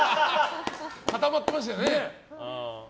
固まってましたよね。